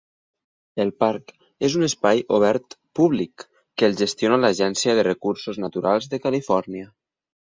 El parc és un espai obert públic que el gestiona l'Agència de Recursos Naturals de Califòrnia.